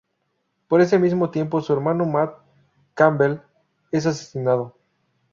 Por ese mismo tiempo su hermano Matt Campbell es asesinado.